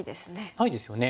ないですよね。